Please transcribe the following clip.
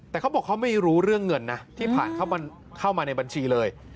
แต่เขาบอกเขาไม่รู้เรื่องเงินนะที่ผ่านเข้ามาในบัญชีเลย